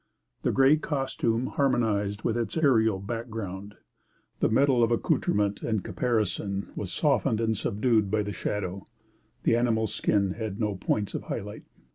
The gray costume harmonized with its aerial background; the metal of accoutrement and caparison was softened and subdued by the shadow; the animal's skin had no points of high light.